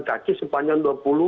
kaki sepanjang dua puluh